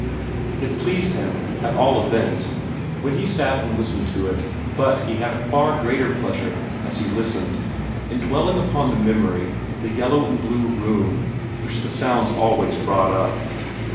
It pleased him, at all events, when he sat and listened to it; but he had a far greater pleasure, as he listened, in dwelling upon the memories of the yellow and blue room which the sounds always brought up.